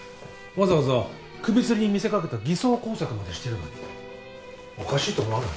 わざわざ首つりに見せかけた偽装工作までしてるのにおかしいと思わない？